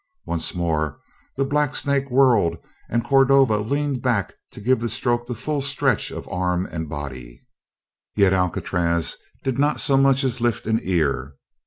Once more the blacksnake whirled, and Cordova leaned back to give the stroke the full stretch of arm and body; yet Alcatraz did not so much as lift an ear.